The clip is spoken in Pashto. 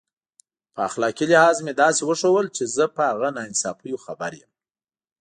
په اخلاقي لحاظ مې داسې وښودل چې زه په هغه ناانصافیو خبر یم.